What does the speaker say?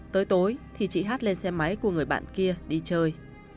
tới tối thì chị hát lên xe máy của người bạn kia đi chơi